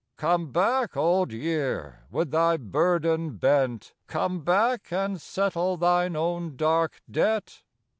" Come back, Old Year, with thy burden bent. Come back and settle thine own dark debt."